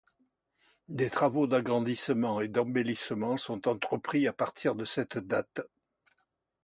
Des travaux d'agrandissement et d'embellissement sont entrepris à partir de cette date.